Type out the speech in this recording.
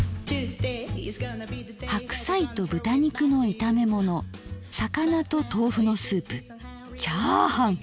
「白菜と豚肉のいためもの魚と豆腐のスープチャーハン」！